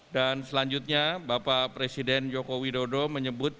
dan selanjutnya bapak presiden joko widodo menyebut